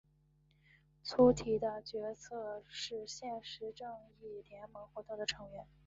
粗体的角色是现时正义联盟活跃成员。